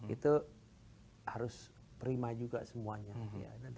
itu harus prima juga semuanya